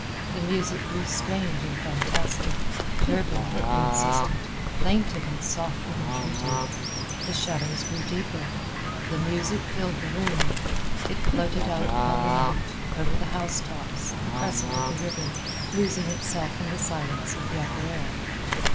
The music grew strange and fantastic—turbulent, insistent, plaintive and soft with entreaty. The shadows grew deeper. The music filled the room. It floated out upon the night, over the housetops, the crescent of the river, losing itself in the silence of the upper air.